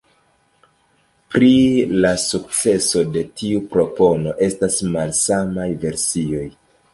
Pri la sukceso de tiu propono estas malsamaj versioj.